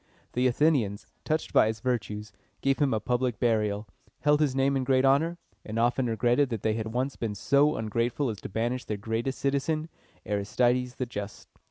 The Athenians, touched by his virtues, gave him a public burial, held his name in great honor, and often regretted that they had once been so ungrateful as to banish their greatest citizen, Aristides the Just.